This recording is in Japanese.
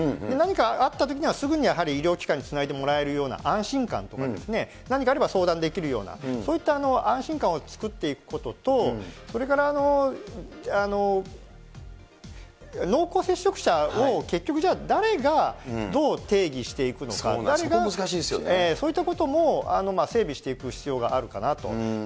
何かあったときには、すぐに医療機関につないでもらえるような安心感とか、何かあれば相談できるような、そういった安心感を作っていくことと、それから、濃厚接触者を結局じゃあ、誰がどう定義していくのか、誰が、そういったとこも整備していく必要があるかなと。